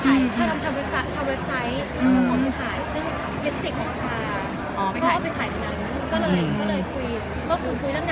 เป็นเพราะแล้วไม่เปิดใจหรือยังไง